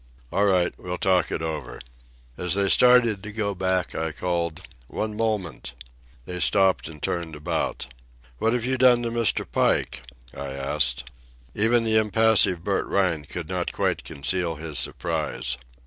"All right, we'll talk it over." As they started to go back, I called: "One moment." They stopped and turned about. "What have you done to Mr. Pike?" I asked. Even the impassive Bert Rhine could not quite conceal his surprise.